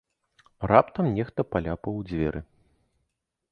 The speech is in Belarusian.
Раптам нехта паляпаў у дзверы.